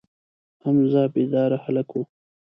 حمزه بیداره هلک و.